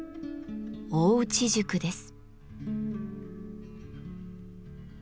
大内宿です。